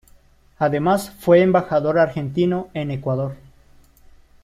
Además, fue Embajador argentino en Ecuador.